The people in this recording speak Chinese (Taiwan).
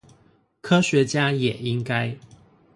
科學家也應該